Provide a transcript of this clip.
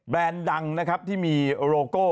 แบรนด์ดังนะครับที่มีโลโก้